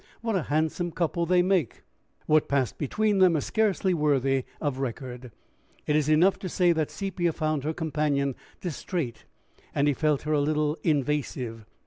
What a handsome couple they make!" What passed between them is scarcely worthy of record. It is enough to say that Sepia found her companion distrait, and he felt her a little invasive.